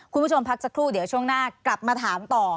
พักสักครู่เดี๋ยวช่วงหน้ากลับมาถามต่อ